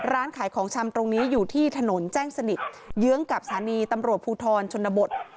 ร้านขายของชำตรงนี้อยู่ที่ถนนแจ้งสนิทเยื้องกับสถานีตำรวจภูทรชนบท